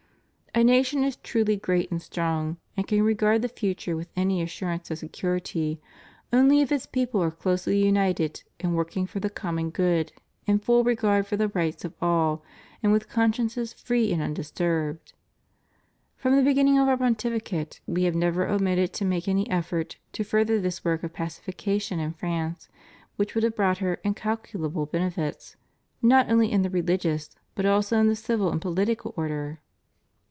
A nation is truly great and strong, and can regard the future with any assurance of security, only if its people are closely united in working for the common good in full regard for the rights of all, and vidth consciences free and undisturbed. From the beginning of Our Pontificate We have never omitted to make any effort to further this work of pacification in France which would have brought her incalculable benefits, not only in the religious, but also in the civil and political order.